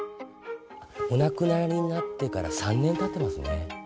お亡くなりになってから３年たってますね。